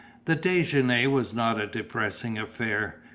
The déjeuner was not a depressing affair.